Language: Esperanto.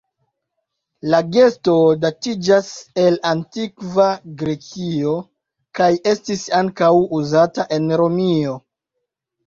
La gesto datiĝas el Antikva Grekio kaj estis ankaŭ uzata en Romio.